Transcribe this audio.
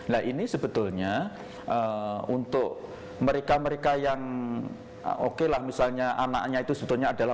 nah ini sebetulnya untuk mereka mereka yang oke lah misalnya anaknya itu sebetulnya adalah